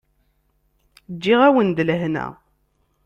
Ǧǧiɣ-awen-d lehna.